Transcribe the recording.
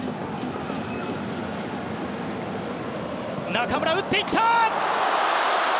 中村、打っていった！